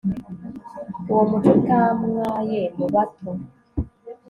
uwo muco utamwaye mu bato